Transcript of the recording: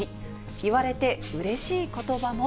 言われてうれしいことばも。